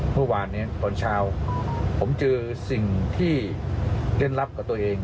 เมื่อวานเนี่ยตอนเช้าผมเจอสิ่งที่เล่นลับกับตัวเอง